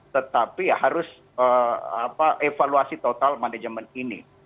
tetapi ya harus evaluasi total manajemen ini